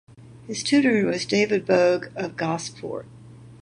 His tutor was David Bogue of Gosport.